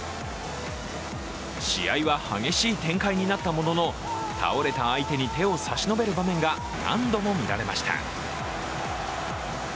試合は激しい展開になったものの倒れた相手に手を差し伸べる場面が何度も見られました。